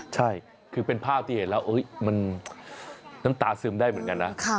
ใช่คือเป็นภาพที่เห็นแล้วมันน้ำตาซึมได้เหมือนกันนะ